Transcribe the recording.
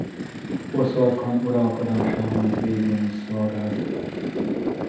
Oszorkon uralkodásának végén is szolgált.